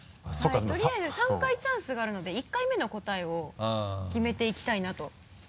とりあえず３回チャンスがあるので１回目の答えを決めていきたいなと。